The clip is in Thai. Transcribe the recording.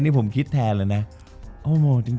จบการโรงแรมจบการโรงแรม